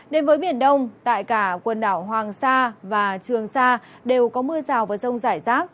đến với biển đông tại cả quần đảo hoàng sa và trường sa đều có mưa rào và rông rải rác